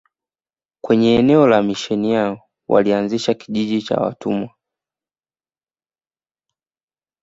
Kwenye eneo la misheni yao walianzisha kijiji cha watumwa